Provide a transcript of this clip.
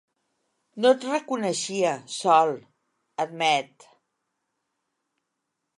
No et reconeixia, Sol —admet—.